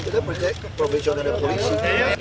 kita percaya ke profesional dan polisi